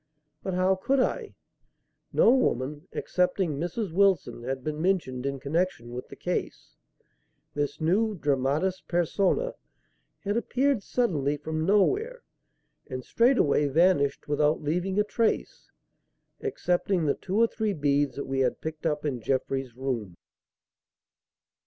But how could I? No woman, excepting Mrs. Wilson, had been mentioned in connection with the case. This new dramatis persona had appeared suddenly from nowhere and straightway vanished without leaving a trace, excepting the two or three beads that we had picked up in Jeffrey's room.